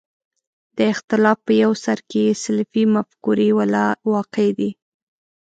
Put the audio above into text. د اختلاف په یو سر کې سلفي مفکورې والا واقع دي.